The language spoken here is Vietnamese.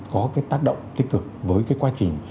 có cái tác động tích cực với cái quá trình